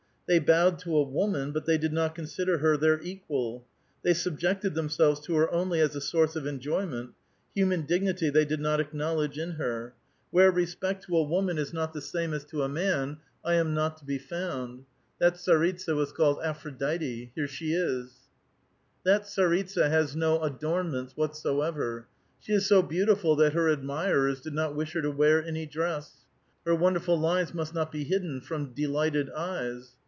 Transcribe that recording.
They bowed to a woman, but they did not con sider her their equal. They subjected themselves to her only as to a source of enjoyment ; human dignity they did not acknowledge in her. Where respect to a woman is not A VITAL QUESTION. 371 the same as to man, I am not to be found. That tsaritsa was called Aphrodite. Here she is." That tsaritsa has no adornments whatsoever. She is so beautiful that her admirers did not wish her to wear any dress. Her wonderful lines must not be hidden from de lighted eyes.